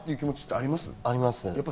あります。